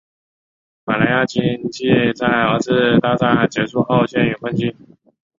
马来亚经济在二次大战结束后陷于困境。